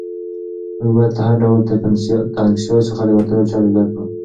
موږ باید له هر ډول تنګسیا څخه د وتلو چل زده کړو.